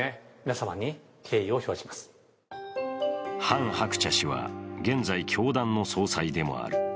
ハン・ハクチャ氏は現在、教団の総裁でもある。